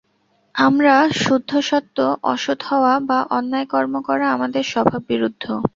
আমরা শুদ্ধসত্ত্ব, অ-সৎ হওয়া বা অন্যায় কর্ম করা আমাদের স্বভাববিরুদ্ধ।